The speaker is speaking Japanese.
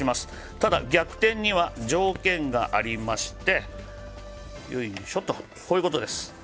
ただ逆転には条件がありまして、こういうことです。